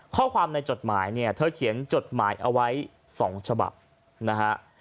ข้อความในจดหมายเนี่ยเธอเขียนจดหมายเอาไว้๒ฉบับนะฮะ